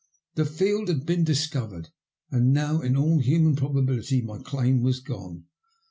The field had been dis eaveredf and notr, in aU human probability, my claim was gone.